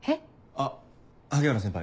あっ萩原先輩